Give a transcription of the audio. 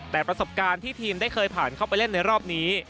แต่ประสบการณ์ที่ทีมได้เคยผ่านเข้าไปเล่นในรอบนี้